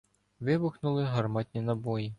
Вибухнули гарматні набої.